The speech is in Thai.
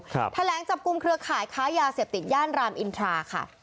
แถลงจับกลุ่มเครือข่ายค้ายาเสพติดย่านรามอินทราค่ะ